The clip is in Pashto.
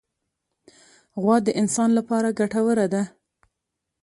غوا د انسان له پاره ګټوره ده.